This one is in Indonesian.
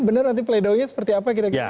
benar nanti play dohnya seperti apa